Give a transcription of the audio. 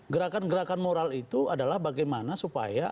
gerakan gerakan moral itu adalah bagaimana supaya